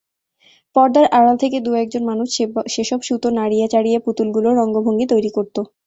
পর্দার আড়াল থেকে দু-একজন মানুষ সেসব সুতো নাড়িয়ে-চাড়িয়ে পুতুলগুলোর অঙ্গভঙ্গি তৈরি করত।